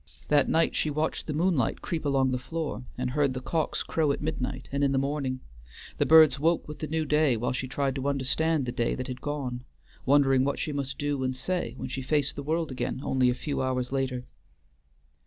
That night she watched the moonlight creep along the floor, and heard the cocks crow at midnight and in the morning; the birds woke with the new day while she tried to understand the day that had gone, wondering what she must do and say when she faced the world again only a few hours later.